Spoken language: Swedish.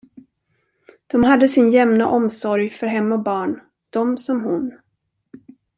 De hade sin jämna omsorg för hem och barn, de som hon.